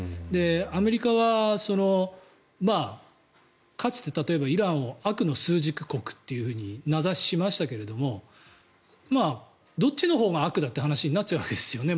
アメリカはかつて例えば、イランを悪の枢軸国と名指ししましたけどどっちのほうが悪だという話になっちゃうわけですよね。